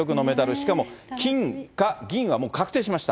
しかも金か銀はもう確定しました。